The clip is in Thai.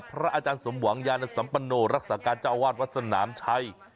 พระอาจารย์สมหวังยานสัมปโนรักษาการเจ้าอาวาสวัดสนามชัย